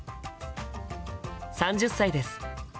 ３０歳です。